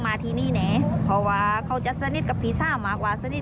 มาที่นี่แน่เพราะว่าเขาจะสนิทกับพี่ซ่ามากกว่าสนิท